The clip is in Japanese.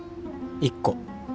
１個。